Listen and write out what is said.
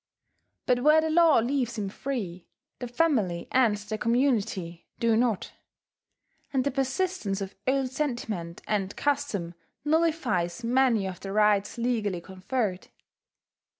But where the law leaves him free, the family and the community do not; and the persistence of old sentiment and custom nullifies many of the rights legally conferred.